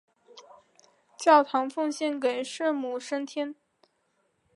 教堂奉献给圣母升天。